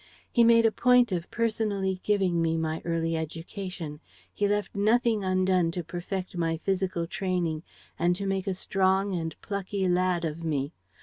He made a point of personally giving me my early education. He left nothing undone to perfect my physical training and to make a strong and plucky lad of me.